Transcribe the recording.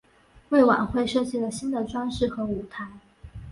为晚会设计了新的装饰和舞台。